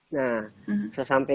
nah kita sampai